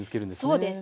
そうです。